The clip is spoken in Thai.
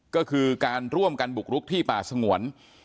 ก็คือการร่วมกันบุกรุกที่ป่าสงวน